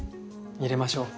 入れましょう。